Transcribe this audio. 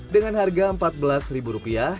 dengan harga empat belas ribu rupiah